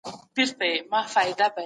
مغولو په پای کي سمه لاره وموندله.